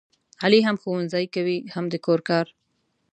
علي هم ښوونځی کوي هم د کور کار.